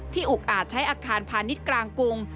อุกอาจใช้อาคารพาณิชย์กลางกรุง